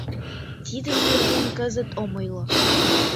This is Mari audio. Тидын нерген кызыт ом ойло.